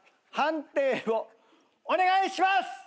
判定をお願いします！